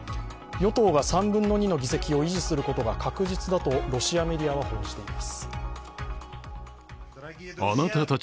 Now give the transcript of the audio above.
与党が３分の２の議席を維持することが確実だと、ロシアメディアは報じています。